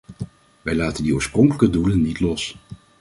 Wij laten die oorspronkelijke doelen niet los.